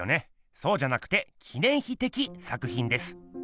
そうじゃなくて記念碑的作品です。